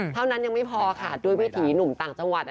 เท่านั้นยังไม่พอค่ะด้วยวิถีหนุ่มต่างจังหวัด